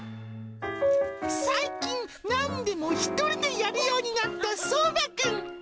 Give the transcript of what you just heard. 最近、なんでも１人でやるようになったそうまくん。